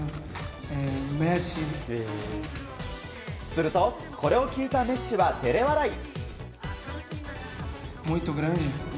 すると、これを聞いたメッシは照れ笑い。